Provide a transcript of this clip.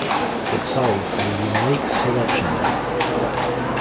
It sold a unique selection.